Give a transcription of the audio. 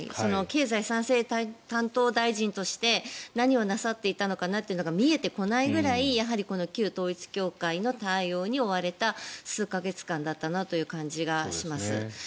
経済再生担当大臣として何をなさっていたのかなというのが見えてこないぐらいやはり旧統一教会の対応に追われた数か月間だったなという感じがします。